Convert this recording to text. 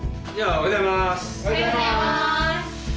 おはようございます。